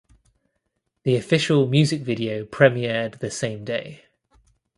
The official music video premiered the same day.